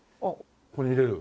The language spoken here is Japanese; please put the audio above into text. ここに入れる。